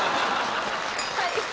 はい。